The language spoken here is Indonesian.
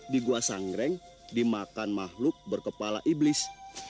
di gua sangreng dimakan makhluk berkepala iblis